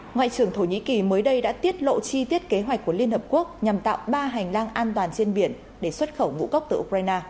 ngoại trưởng thổ nhĩ kỳ mới đây đã tiết lộ chi tiết kế hoạch của liên hợp quốc nhằm tạo ba hành lang an toàn trên biển để xuất khẩu ngũ cốc từ ukraine